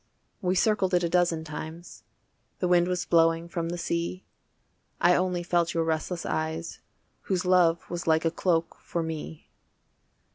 We circled it a dozen times, The wind was blowing from the sea, I only felt your restless eyes Whose love was like a cloak for me.